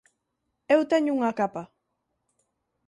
Eu teño unha capa.